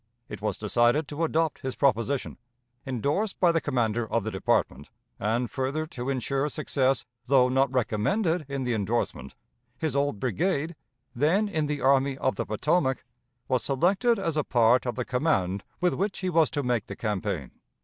It was decided to adopt his proposition, endorsed by the commander of the department, and, further to insure success, though not recommended in the endorsement, his old brigade, then in the Army of the Potomac, was selected as a part of the command with which he was to make the campaign.